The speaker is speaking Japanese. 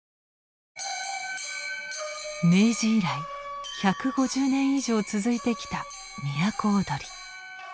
明治以来１５０年以上続いてきた都をどり。